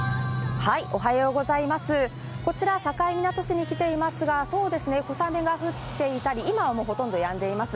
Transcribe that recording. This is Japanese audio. こちら、境港市に来ていますが小雨が降っていたり今はもうほとんどやんでいます。